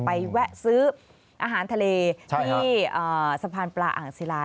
แวะซื้ออาหารทะเลที่สะพานปลาอ่างศิลา